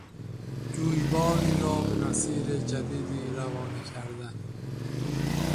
جویباری را به مسیر جدیدی روانه کردن